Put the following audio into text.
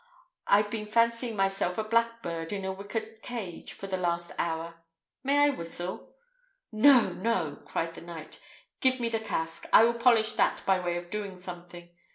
"I've been fancying myself a blackbird in a wicker cage for the last hour. May I whistle?" "No, no," cried the knight. "Give me the casque; I will polish that by way of doing something.